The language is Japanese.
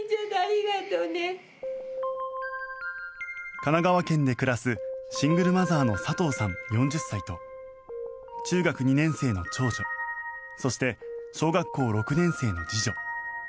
神奈川県で暮らすシングルマザーの佐藤さん、４０歳と中学２年生の長女そして小学校６年生の次女。